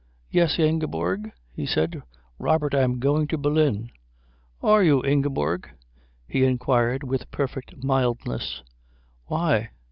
"Yes, Ingeborg?" he said. "Robert I'm going to Berlin." "Are you, Ingeborg?" he inquired with perfect mildness. "Why?"